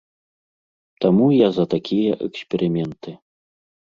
Таму я за такія эксперыменты!